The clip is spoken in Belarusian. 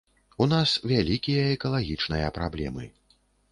У нас вялікія экалагічныя праблемы.